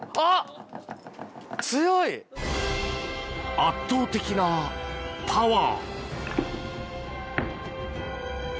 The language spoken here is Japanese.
圧倒的なパワー。